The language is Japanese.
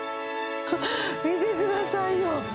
見てくださいよ。